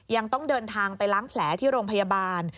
ยังต้องเดินทางไปล้างแผลที่โรงพยาบาล